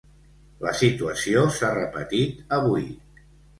La situació s’ha repetit avui.